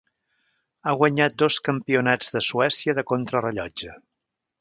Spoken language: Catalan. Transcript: Ha guanyat dos campionats de Suècia de contrarellotge.